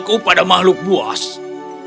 yang mulia itu adalah sebuah kebohongan aku ini anakmu